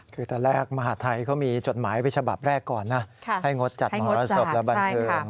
คือตอนแรกมหาทัยเขามีจดหมายไปฉบับแรกก่อนนะให้งดจัดมรสบและบันเทิง